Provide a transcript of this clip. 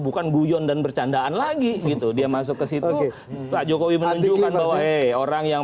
bukan guyon dan bercandaan lagi gitu dia masuk ke situ pak jokowi menunjukkan bahwa hey orang yang